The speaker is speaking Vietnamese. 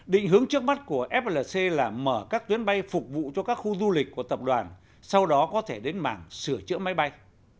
định hướng trước mắt của flc là mở các tuyến bay phục vụ cho các khu du lịch của tập đoàn sau đó có thể đến mảng sửa chữa máy bay